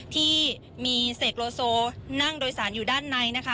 ที่มีเสกโลโซนั่งโดยสารอยู่ด้านในนะคะ